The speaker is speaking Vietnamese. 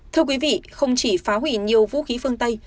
thưa quý vị không chỉ phá hủy nhiều vũ khí phương tây